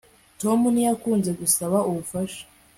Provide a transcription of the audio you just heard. Tom ntiyakunze gusaba ubufasha